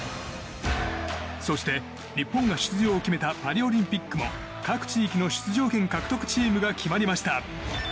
そして、日本が出場を決めたパリオリンピックも各地域の出場権獲得チームが決まりました。